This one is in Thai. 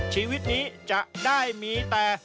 ชีวิตนี้จะได้มีแต่